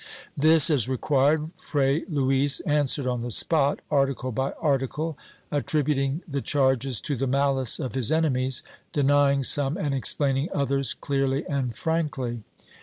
^ This, as required, Fray Luis answered on the spot, article by article, attributing the charges to the malice of his enemies, denying some and explaining others clearly and frankly.